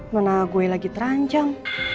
mana gue lagi terancam